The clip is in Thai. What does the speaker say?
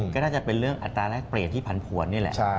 ก็น่าจะเป็นเรื่องอัตราแรกเปลี่ยนที่ผันผวนนี่แหละ